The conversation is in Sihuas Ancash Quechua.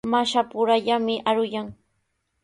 Mashapurallami aruyan.